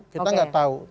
kita enggak tahu